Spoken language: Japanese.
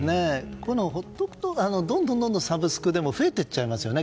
こういうのを放っておくとどんどんサブスクでも増えていっちゃいますよね。